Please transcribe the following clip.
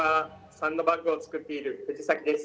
サンドバッグを作っている藤崎です。